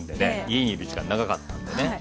家にいる時間長かったんでね。